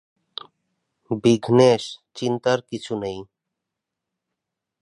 বিঘ্নেশ, চিন্তার কিছু নেই।